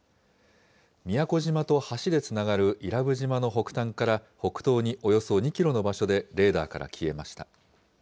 宮古島と橋でつながる伊良部島の北端から北東におよそ２キロの場所でレーダーから消えました。